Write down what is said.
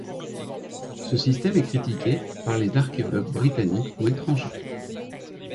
Ce système est critiqué par les archéologues, britanniques ou étrangers.